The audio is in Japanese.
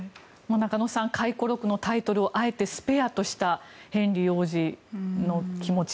中野さん、回顧録のタイトルをあえて「スペア」としたヘンリー王子の気持ち